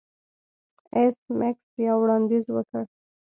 ایس میکس یو وړاندیز وکړ